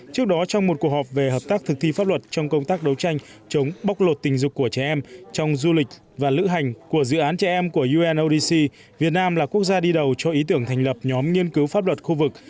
trước đó trong một cuộc họp về hợp tác thực thi pháp luật trong công tác đấu tranh chống bóc lột tình dục của trẻ em trong du lịch và lữ hành của dự án trẻ em của unodc việt nam là quốc gia đi đầu cho ý tưởng thành lập nhóm nghiên cứu pháp luật khu vực